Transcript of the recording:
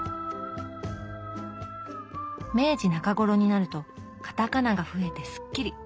明治中頃になるとカタカナが増えてスッキリ。